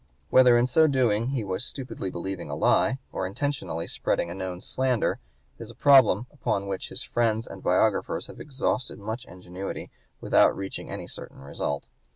Whether in so doing he was stupidly believing a lie, or intentionally spreading a known slander, is a problem upon which his friends and biographers have exhausted much ingenuity without reaching any certain result.